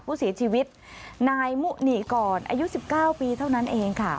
ผู้เสียชีวิตนายมุหนีก่อนอายุ๑๙ปีเท่านั้นเองค่ะ